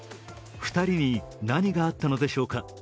２人に何があったのでしょうか。